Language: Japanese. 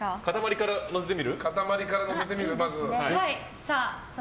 塊から載せてみる？